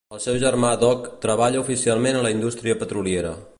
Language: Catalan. El seu germà Doc treballa oficialment a la indústria petroliera.